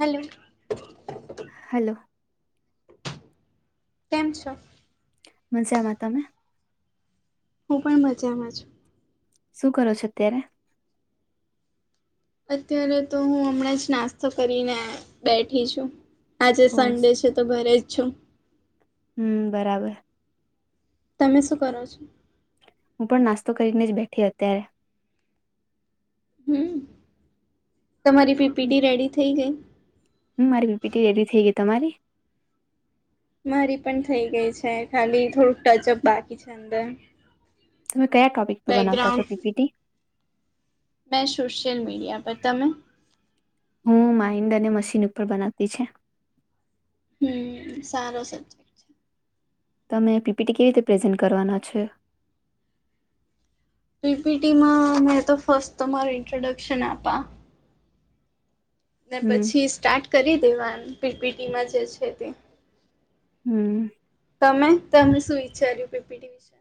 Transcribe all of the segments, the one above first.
Hello hello કેમ છો? મજા‌માં તમે? હું પણ મજામાં છું. શું કરો છો અત્યારે? અત્યારે તો હું હમણાં જ નાસ્તો કરીને બેઠી છું. આજે ઓ સન્ડે છે તો ઘરે જ છું. હ બરાબર. તમે શું કરો છો? હું પણ નાસ્તો કરીને જ બેઠી અત્યારે. હમ, તમારી પી પી ટી રેડી થઈ ગઈ? હ મારી પી પી ટી રેડી થઈ ગઈ તમારી? મારી પણ થઈ ગઈ છે ખાલી થોડુંક ટચઅપ બાકી છે અંદર. તમે કયા ટોપિક પર બનાવતા છો બેકગ્રાઉન્ડ પી પી ટી? મેં સોશિયલ મીડિયા પર તમે? હું માઇન્ડ અને મશીન ઉપર બનાવતી છે. હમ સારો સે. તમે પી પી ટી કેવી રીતે પ્રેઝન્ટ કરવાના છે? પી પી ટીમાં મેં તો ફર્સ્ટ તમાર ઇન્ટ્રોડક્શન આપા. ને હમ પછી સ્ટાર્ટ કરી દેવા એમ પી પી ટીમાં જે છે તે. હમ તમે તમને શું વિચાર્યું પી. પી ટી વિશે?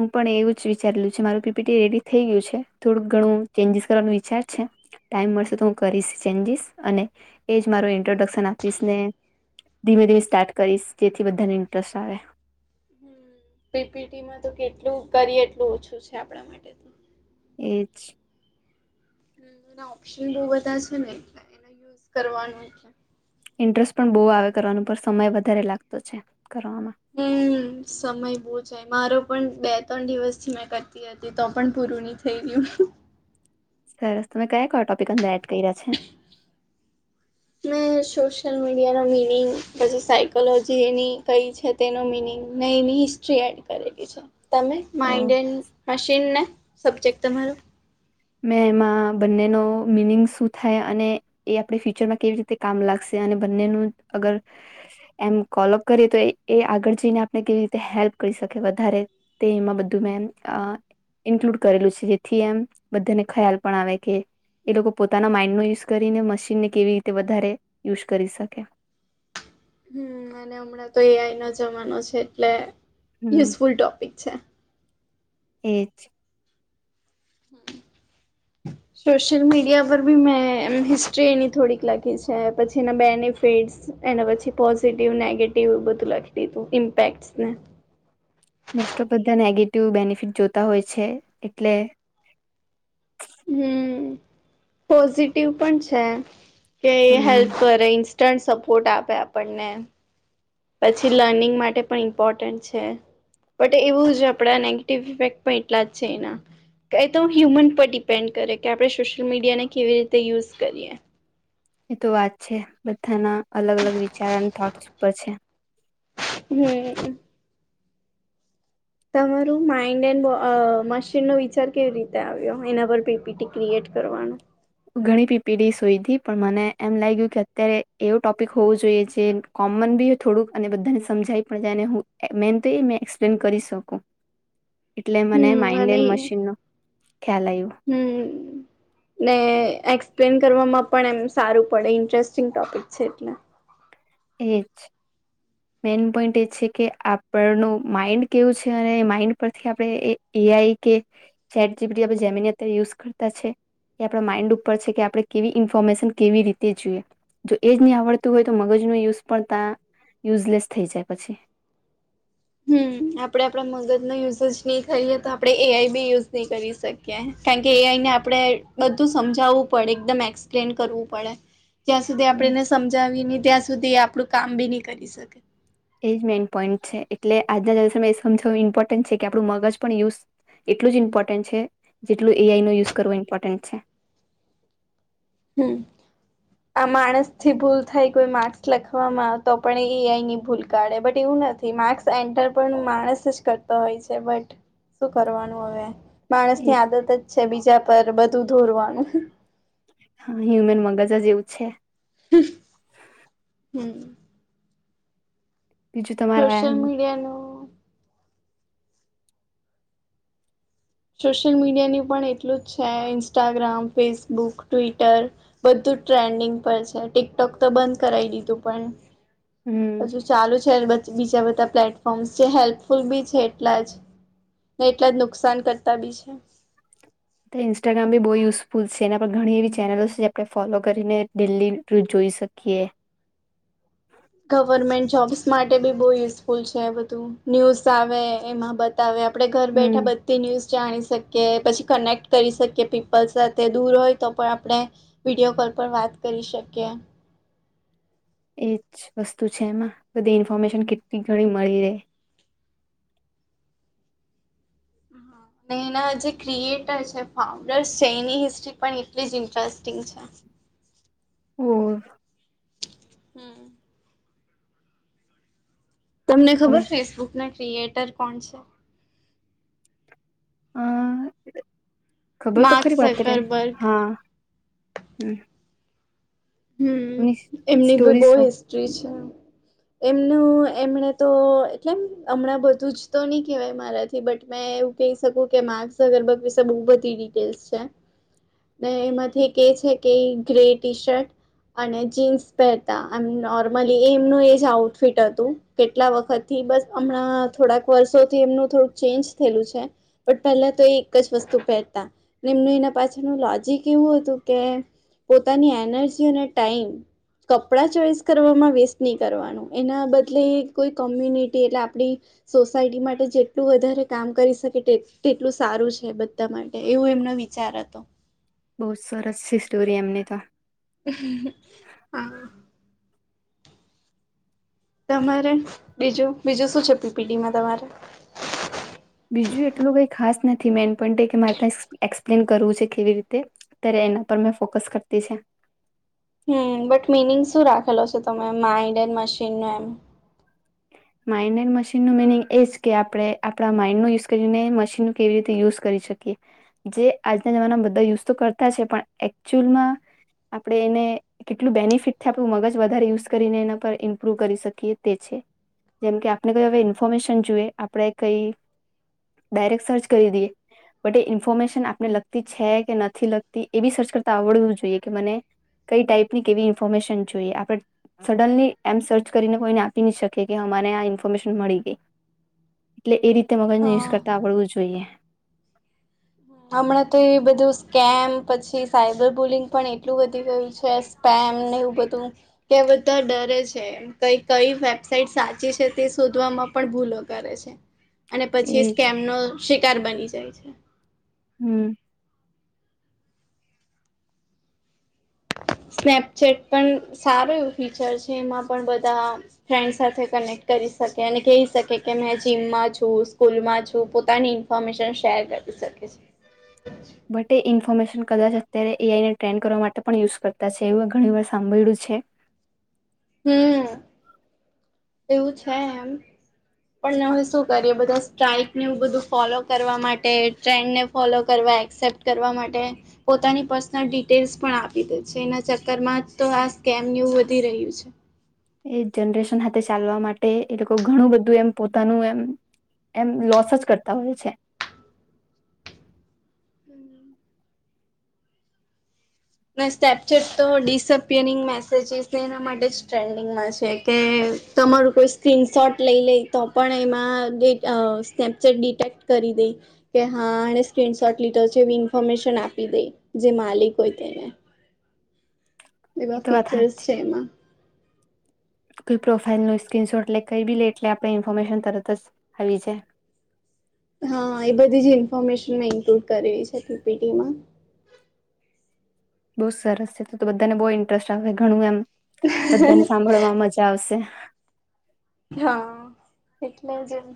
હું પણ એવું જ વિચારલું છે મારું પી પી ટી રેડી થઇ ગયું છે, થોડુંક ઘણું ચેન્જીસ કરવાનું વિચાર છે. ટાઈમ મળશે તો હું કરીશ ચેન્જીસ અને, એજ માર ઇન્ટ્રોડક્શન આપીશ ને. ધીમે ધીમે સાર્ટ કરીશ જેથી બધાને ઇન્ટરેસ્ટ આવે. હ પી પી ટીમાં તો કેટલું કરીએ એટલું ઓછું છે આપણા માટે. એ જ. ના ઓપ્શન બહ બધા છે નેટ એને યુઝ કરવાનું. ઇન્ટરેસ્ટ પણ બહુ આવે કરવાનું પર સમય વધારે લાગતો છે કરવામાં. હમ સમય બહુ જાય મારો પણ બે ત્રણ દિવસ થી મેં કરતી. હતી તો પણ પૂરું નની થઈ રહય્યું. સરસ તમે કયા કયા ટોપિક અંદર એડ કર રહ્યા છે. મેં સોશિયલ મીડિયાના મિનિંગ પછી સાયકોલોજીની કઈ છે. તેનો મિનિંગ નઈ નની હિસ્ટ્રી એડ કરેલી છે. તમે ઓહ, માઇન્ડ મશીન ને સબ્જેક્ટ તમારો? મેં એમાં બંનેનો મિનિંગ શું થાય અને એ આપણે ફ્યુચરમાં કેવી રીતે કામ લાગશે અને બંનેનું અગર એમ કોલપ કરીએ તો એ આગળ જઈને આપણે કેવી રીતે હેલ્પ કરી શકી વધારે. તે એમાં બધું મે ઇન્ક્લુડ કરેલું છે જેથી એમ, બધાને ખ્યાલ પણ આવે કે એ લોકો પોતાના માઇન્ડનો યુઝ કરીને મશીનને કેવી રીતે વધારે યુઝ કરી શકે. હમ અને હમણાં તો એ આઈ નો જમાનો છે એટલે હમ યુઝફુલ ટોપિક છે. એ જ. [inaudible] સોશિયલ મીડિયા પર બી મેં એમ હિસ્ટ્રી એની થોડીક લખી છે પછી એના બેની ફીડ એના પછી પોઝિટિવ નેગેટિવ એવું બધું લખી દીધું ઇમ્પેક્ટ ને. મોસ્ટ ઓફ બધા નેગેટિવ બેનિફિટ જોતા હોય છે એટલે હમ, પોઝિટિવ પણ છે, કે એ હમ હેલ્પ કરે ઇ ત્રણ સપોર્ટ આપે આપણને. પછી લર્નિંગ માટે પણ ઇમ્પોર્ટન્ટ છે. બટ એવું આપડા નેગેટિવ ઇફેક્ટ પણ એટલા જ છે એના. ક તો હ્યુમન પર ડિપેન્ડ કરે કે આપણે સોશિયલ મીડિયાને કેવી રીતે યુઝ કરીએ. એ તો વાત છે બધાના અલગ અલગ વિચાર અને થોટસ ઉપર છે. હમ. તમારું માઇન્ડ એન્ડ અ મશીનનો વિચાર કેવી રીતે આવ્યો એના પર પીપીટી ક્રિએટ કરવાનો. ઘણી પીપીડીસ હોઈ હતી પણ મને એમ લાગ્યું કે અત્યારે એવું ટોપિક હોવું જોઈએ જે. કોમન બી હોય થોડુંક અને બધાને સમજાવી પણ જાય ને હું મેન તો એ મેં એક્સપ્લેન કરી શકું. એટલે મને હમ અને માઇન્ડડ મશીન નો ખ્યાલ આવ્યો. હમ. ને એક્સપ્લેન કરવામાં પણ એમ સારું પડે ઇન્ટરેસ્ટિંગ ટોપિક છે એટલે. એ જ મેન પોઈન્ટ એ છે કે આપણનું માઈન્ડ કેવું છે, અને માઈન્ડ પરથી આપણે એ એઆઈ કે ચેટ જીપીટી આપણે જેમીની અત્યારે યુઝ કરતા છે. એ આપણા માઇન્ડ ઉપર છે કે આપણે કેવી ઇન્ફોર્મેશન કેવી રીતે જોઈએ. જો એજ નહી આવડતું હોય તો મગજ ન યુઝ પણ તા યુઝલેસ થઈ જાય પછી હમ આપડે આપડા મગજ નો યુઝ જ નહી કરીએ તો આપડણે એઆઈ બી યુઝ નહી કરી શક કે કેમ કે એઆઈ ને આપણે બધું સમજાવવું પડે એકદમ એક્સપ્લેન કરવું પડે. જ્યાં સુધી આપણે એને સમજાવીએ નહી ત્યાં સુધી એ આપણું કામ બી નહી કરી શકે. એજ મેઈન પોઈન્ટ છે, એટલે આજના દિવસમાં એ સમજું ઇમ્પોર્ટન્ટ છે, કે આપણું મગજ પણ યુઝ એટલું જ ઈમ્પોર્ન્ટ છે, જેટલું એ આઈ નો યુઝ કરવો ઇમપોર્ટન્ટ છે. હમ. આ માણસ થી ભૂલ થાય કોઈ માર્ક્સ લખવામાં તો પણ એઆઈ ની ભૂલ કાઢે બટ એવું નથી. માર્ક્સ એન્ટર પણ માણસ જ કરતો હોય છે, બટ શું કરવાનું હવે માણસની આદત જ છે, બીજા પર બધું ધોરવાનું. હા એમનુ મગજ જ એવું છે. [inaudible] હમ બીજું તમારા સોશિયલ એમ મીડિયાનું સોશિયલ મીડિયાનું પણ એટલું જ છે, ‌ઇન્સ્ટાગ્રામ, ફેસબુક, ટ્વિટર, બધું ટ્રેન્ડિંગ પર છે, ટિકટોક તો બંધ કરાવી દીધું હમ પણ હજુ ચાલુ છે [inaudible] બીજા બધા પ્લે ફોન્સ જે હેલ્પફુલ બી છે, એટલા જ ને એટલા જ નુકસાન કરતા બી છે. ઇન્સ્ટાગ્રામ બી બહુ યુઝફુલ છે, એના પર ઘણી એવી ચેનલો છે આપણે ફોલો કરીને ડેલી જોઈ શકીએ. ગવર્મેન્ટ જોબ્સ માટે બી બહુ યુઝફુલ છે, બધું ન્યૂઝ આવે એમાં બ તાવે હવે આપણે ઘર બેઠા હમ બધ તે ન્યૂઝ જાણી શકીએ પછી કનેક્ટ કરી શકીએ પીપલ સાથે દૂર હોય તો પણ આપણે વિડીયો કોલ પર વાત કરી શકીએ. એજ વસ્તુ છેને [inaudible] ઇન્ફોર્મેશન કેટલી ઘણી મળી રહે [inaudible] અને એના જે ક્રિએટર છે, ફાઉન્ડર છે, એની હિસ્ટ્રી પણ એટલી જ ઇન્ટરેસ્ટિંગ છે. હો. હમ. તમને તમે ખબર ફેસબુક ના ક્રિએટર કોણ છે. હ ખબર તો માર્ક ખરી વાત રે સકરબર્ગ. હા હમ. હમ એમની એમની બી સ્ટોરી બહુ શું હિસ્ટ્રી છે. એમનું એમણે તો એટલે એમ હમણાં બધું જ તો નહીં કહેવાય મારાથી બટ મેં એવું કહી શકું કે માર્ગ ઝુકરબર્ગ વિશે બહુ બધી ડિટેલ્સ છે. ને એમાંથી કે છે કે ગ્રે ટી શર્ટ અને જીન્સ પહેરતા એમ નોર્મલી એમનું એ જ આઉટફિટ હતું. કેટલા વખત થી બસ હમણાં થોડાક વર્ષોથી એમનું થોડુંક ચેન્જ થયેલું છે. પણ પહેલા તો એ એક જ વસ્તુ પહેરતા એમનું એના પાછળનું લોજિક એવું હતું કે પોતાની એનર્જી અને ટાઈમ કપડા ચોઈસ કરવામાં વેસ્ટ નહી કરવાનું. એના બદલે કોઈ કોમ્યુનિટી એટલે આપણી સોસાયટી માટે જેટલું વધારે કામ કરી શકે તે. તેટલું સારું છે, બધા માટે એવું એમનો વિચાર હતો. બહુ સરસ છે સ્ટોરી એમની તો. હા. તમારે બીજું બીજું શું છે પીપીડીમાં, તમારે? બીજું એટલું કઈ ખાસ નથી, મેન પણ કે મારે ત્યાં એક્સપ્લેન કરવું છે, કેવી રીતે? અત્યારે એના પર મેં ફોકસ કરતી છે. હમ, બટ મિનિંગ શું રાખેલો છે તમે માઇન્ડન મશીન નો એમ? માઇન્ડ એડ મશીનનું મિનિંગ એજ કે આપણે આપણા માઇન્ડ નું યુઝ કરી ને મશીનનું કેવી રીતે યુઝ- - કરી શકે, જે આજના જમાનામાં બધા યુઝ તો કરતા છે, પણ એકચુઅલમાં- - આપણેે એને- - કેટલું બેનિફિટ આપડુ મગજ વધારે યુઝ કરીને એના પર ઇમપ્રુવ કરી શકીએ તે છે. જેમ કે, આપણે કઈ હવે ઇન્ફોર્મેશન જોઈએ, આપણે કંઈ ડાયરેક્ટ સર્ચ કરી દઈએ- - બટ, એ ઇન્ફોર્મેશન આપને લગતી છે કે નથી લગતી, એ બી સર્ચ કરતા આવડવું જોઈએ કે મને- - કઈ ટાઈપ ની કેવી ઇન્ફોર્મેશન જોઈએ, આપણે સડનલી એમ સર્ચ કરીને કોઈને આપી ન શકીએ. કે કે અમાને આ ઇન્ફોર્મેશન મળી ગઈ, એટલે એ રીતે મગજને યુઝ કરતા હા આવડવું જોઈએ. હમણાં તો એ બધું સ્કેમ, પછી સાયબર બુલિંગ પણ એટલું વધી ગયું છે. પ, એમને એવું બધું કે બધા ડરે છે. કઈ કઈ વેબસાઇટ સાચી છે, તે શોધવામાં પણ ભૂલો કરે છે. અને પછી એજ સ્કેમ નો શિકાર બની જાય છે. હમ. સ્નેપચેટ પણ સારું એવું ફીચર છે, એમાં પણ બધા- - ફ્રેન્ડ સાથે કનેક્ટ કરી શકે અને કહી શકે કે, મે જીમમાં છું, સ્કૂલમાં છું, પોતાની- - ઇ ફોર્મેશન શેર કરી શકે છે. બટ, એ ઇન્ફોર્મેશન કદાચ અત્યારે એ. આઈ. ને ટ્રેન્ડ કરવા માટે પણ યુઝ કરતા છે, એવું ઘણી વાર સાંભળ્યું છે. હમ. એવું છે એમ. પણ હવે શું કરીએ, બધા સ્ટ્રાઈક ન બધું ફોલો કરવા માટે ટ્રેન્ડને- - ફોલો કરવા, એક્સેપ્ટ કરવા માટે- - પોતાની પર્સનલ ડિટેલ્સ પણ આપી દે છે, એના ચક્કર માં તો આ સ્કેમ ને એવું વધી રહ્યું છે. એ જનરેશન, હા, ચાલવા માટે એ લોકો ઘણું બધું એમ, પોતાનું એમ- - એમ લોસ જ કરતા હોય છે. ના, સ્ટેપચેટ તો ડિસઅપિયરિંગ મેસેજિસ ને એના માટે જ ટ્રેન્ડિંગમાં છે - - તમારું કોઈ સ્ક્રીન શોટ લઈ લે, તો પણ એમાં સ્નેપચટ ડિટેક્ટ કરી દે- - કે, હા, એ સ્ક્રીનશોટ લીધો છે, એવી ઇન્ફોર્મેશન આપી દે, જે માલિક હોય- - [unintelligible] એ એવા તો વાત ફીચર્સ છે હાચી એમાં. કોઈ પ્રોફાાઈલ ન સ્ક્રીનશોટ, એટલે કઈ બી લે, એટલે આપણે ઇન્ફોર્મેશન તરત જ આવી જાય- - હા, એ બધી જ ઇન્ફોર્મેશન મેં ઇન્ક્લુડ કરવી છે પીપીટી માં. બહુ સરસ છે તો, બધાને બહુ ઇન્ટરેસ્ટ આવે, ઘણું એમ બધાને સાંભળવામાં મળે. આવશે. હા, એટલે જમ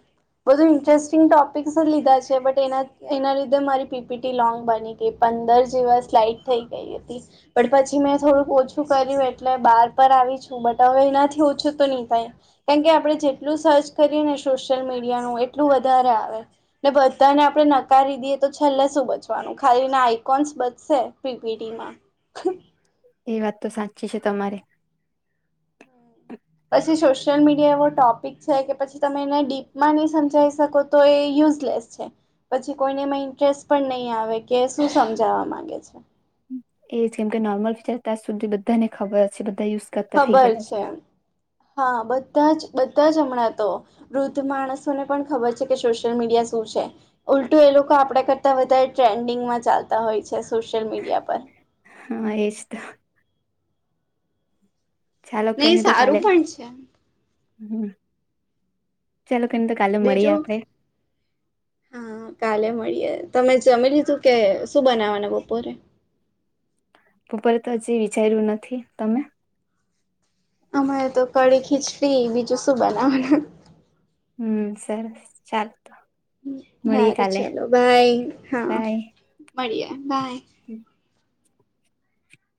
બધું ઇન્ટરેસ્ટિંગ ટોપિકસ જ લીધા છે, બટ એના- - એના લીધે મારી પીપીટી લોંગ બની ગઈ, પંદર જેવા સ્લાઈડ થઈ ગઈ હતી- - પણ પછી મેં થોડુંક ઓછું કર્યું, એટલે બહાર પર આવી છું, બટ હવે એનાથી ઓછું તો નહી થાય- - કેમકે આપણે જેટલું સર્ચ કરીએ ને સોશિયલ મીડિયાનું, એટલું વધારે આવે- - ને બધાને આપણે નકારી દઈએ, તો છેલ્લે શું બચવાનું? ખાલી ના આઈકોન્સ બચશે પીપીડી માં- - [unintelligible] એ વાત તો સાચી છે, તમારે. પછી સોશિયલ મીડિયા એવો ટોપિક છે કે પછી તમે એને ડીપમાં નહી સમજાવી શકો તો એ યુઝલેસ છે. પછી કોઈને એમાં ઇન્ટરેસ્ટ પણ નહીં આવે કે શું સમજાવા માંગે છે. એજ કેમ કે નોર્મલ ફીચર ત્યાં સુધી બધાને ખબર હ છે, બધા યુઝ કરતા થઈ ખબર ગયેલા છે હા બધા જ બધા જ હમણાં તો વૃદ્ધ માણસોને પણ ખબર છે, કે સોશિયલ મીડિયા શું છે. ઉલટું એ લોકો આપણા કરતા વધારે ટ્રેન્ડિંગમાં ચાલતા હોય છે, સોશિયલ મીડિયા પર હા, એસતો ચાલો, નહીં કઈની તો સારું કાલે. પણ છે હમ્મ, ચાલો. કેને તો કાલે મળીએ બીજું આપડે. હા, કાલે મળીએે. તમે જમી લીધું? કે શું બનાવવાના બપોરે? બપોરે તો હજી વિચાર્યું નથી. તમે? અમારે તો કડી-ખીચડી, બીજું શું બનાવવાનું? હમ્મ, સર ચાલો. હારું, ચલો. બાય હા, મળીએ. હમ્મ.